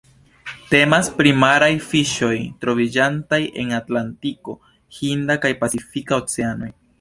Temas pri maraj fiŝoj troviĝantaj en Atlantiko, Hinda kaj Pacifika Oceanoj.